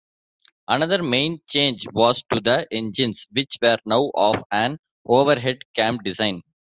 Another main change was to the engines, which were now of an overhead-cam design.